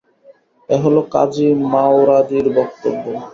এ হলো কাযী মাওয়ারদির বক্তব্য।